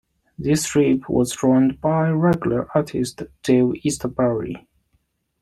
This strip was drawn by regular artist Dave Eastbury.